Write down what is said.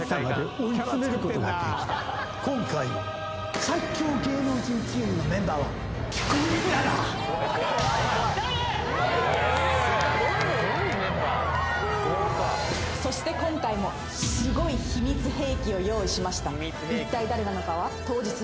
今回の最強芸能人チームのメンバーはそして今回もスゴい秘密兵器を用意しました